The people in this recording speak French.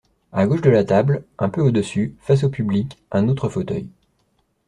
À gauche de la table, un peu au-dessus, face au public, un autre fauteuil.